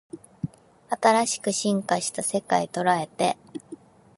新しく進化した世界捉えて